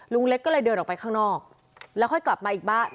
ลุงเล็กก็เลยเดินออกไปข้างนอกแล้วค่อยกลับมาอีกบ้าน